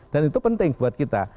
dan itu penting buat kita